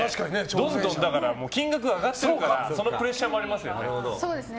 どんどん金額が上がってるからそのプレッシャーもありますよね。